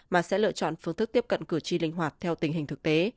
mà sẽ lựa chọn phương thức tiếp cận cử tri linh hoạt theo tình hình thực tế